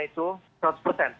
itu seratus persen